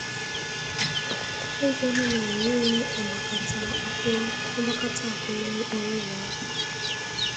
iji hụ na e nweghị 'agbakata akwụrụ' n'okporoụzọ ahụ